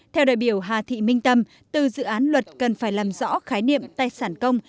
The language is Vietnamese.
theo đại biểu hà thị minh tâm từ dự án luật cần phải làm rõ khái niệm tài sản công